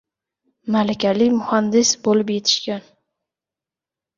malakali muhandis bo‘lib yetishishgan.